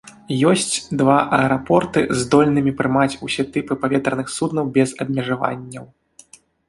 Ёсць два аэрапорты, здольнымі прымаць усе тыпы паветраных суднаў без абмежаванняў.